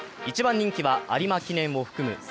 １番人気は、有馬記念を含む